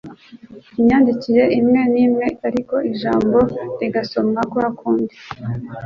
imyandikire imwe n'imwe ariko ijambo rigasomwa kwa kundi.